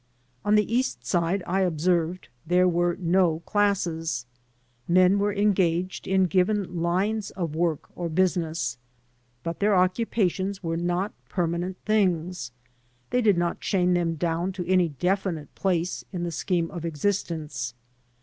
On the East Side, I observed, there were no classes. Men were engaged in given lines of work or business. But their occupations were not permanent things. They did not chain them down to any definite place in the scheme of existence.